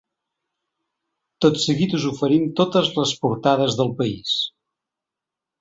Tot seguit us oferim totes les portades del país.